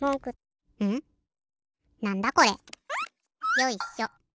よいしょ。